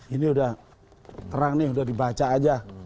ini udah terang nih udah dibaca aja